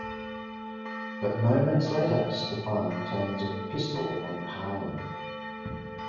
But moments later Stefan turns a pistol on Pahlen.